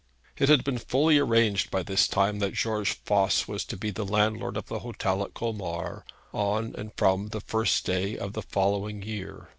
It had been fully arranged by this time that George Voss was to be the landlord of the hotel at Colmar on and from the first day of the following year.